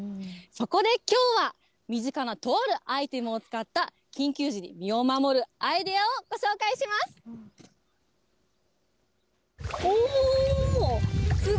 そこできょうは、身近なとあるアイテムを使った、緊急時に身を守るアイデアをご紹介します。